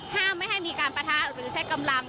ไม่ให้มีการปะทะหรือใช้กำลัง